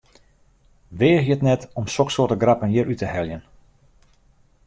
Weagje it net om soksoarte grappen hjir út te heljen!